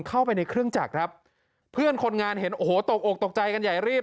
เข้าไปในเครื่องจักรครับเพื่อนคนงานเห็นโอ้โหตกอกตกใจกันใหญ่รีบ